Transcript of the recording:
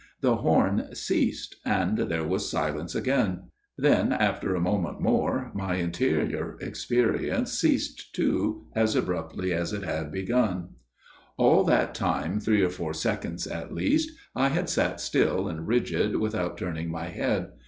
The horn ceased and there was silence again. Then after 98 A MIRROR OF SHALOTT a moment more my interior experience ceased too, as abruptly as it had begun. " All that time, three or four seconds at least, I had sat still and rigid without turning my head.